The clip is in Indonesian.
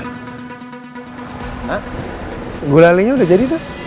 hah gulalinya udah jadi tuh